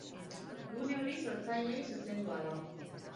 Gune hori sortzaileei zuzendua da.